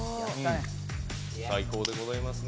最高でございますね。